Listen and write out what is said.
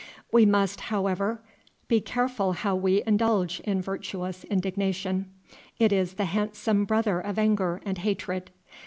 We must, however, be careful how we indulge in virtuous indignation. It is the handsome brother of anger and hatred.